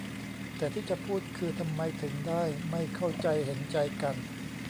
แต่ที่จะพูดคือ ทำไมถึงได้ไม่เข้าใจเห็นใจกัน